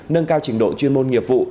nâng cao trình độ chuyên môn nghiệp vụ